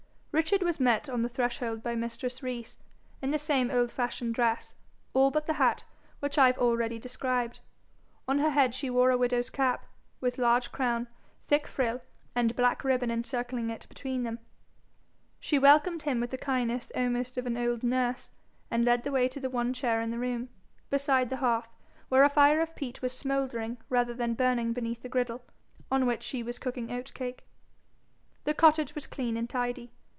Richard was met on the threshold by mistress Rees, in the same old fashioned dress, all but the hat, which I have already described. On her head she wore a widow's cap, with large crown, thick frill, and black ribbon encircling it between them. She welcomed him with the kindness almost of an old nurse, and led the way to the one chair in the room beside the hearth, where a fire of peat was smouldering rather than burning beneath the griddle, on which she was cooking oat cake. The cottage was clean and tidy.